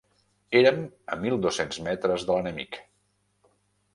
Érem a mil dos-cents metres de l'enemic.